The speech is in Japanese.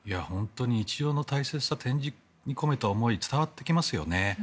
日常の大切さ展示に込めた思いが伝わってきますよね。